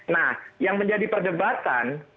nah yang menjadi perdebatan